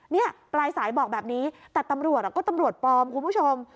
เนี่ยปลายสายบอกแบบนี้แต่ตำรวจก็ตำรวจปลอมคุณผู้ชม